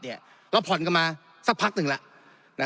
เราผ่อนกันมาสักพักหนึ่งแล้ว